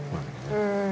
うん。